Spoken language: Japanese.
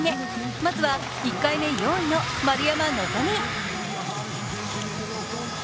まずは１回目４位の丸山希。